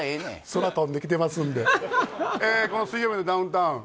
空飛んで来てますんでこの「水曜日のダウンタウン」